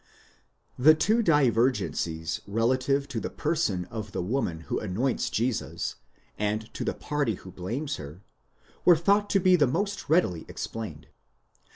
The two divergencies relative to the person of the woman who anoints Jesus, and to the party who blames her, were thought to be the most readily explained.